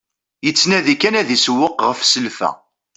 Yettnadi kan ad isewweq ɣef selfa.